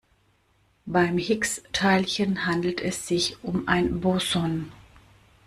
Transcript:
Beim Higgs-Teilchen handelt es sich um ein Boson.